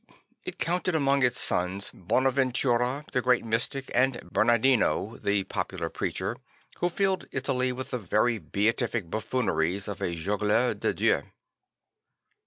It counted among its sons Bonaventura the great mystic and Bernardino the popular preacher, who filled Italy with the very beatific buffooneries of a Jongleur de Dieu.